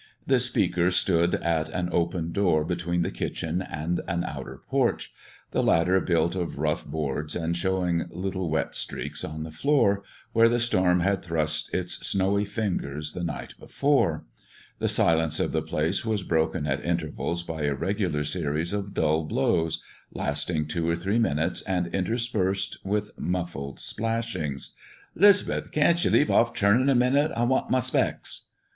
The speaker stood at an open door between the kitchen and an outer porch, the latter built of rough boards and showing little wet streaks on the floor, where the storm had thrust in its snowy fingers the night before. The silence of the place was broken at intervals by a regular series of dull blows, lasting two or three minutes and interspersed with muffled splashings. "'Lisbeth, can't ye leave off churnin' a minute? I want my specs."